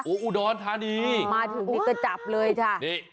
อูดอนทานีอ๋อมาถึงที่ก็จับเลยค่ะนี่